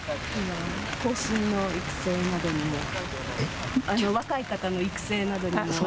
後進の育成などにも、若い方の育成などにも。